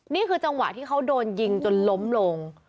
นี่คือจังหวะที่เขาโดนยิงจนล้มลง